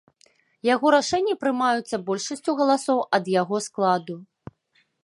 Яго рашэнні прымаюцца большасцю галасоў ад яго складу.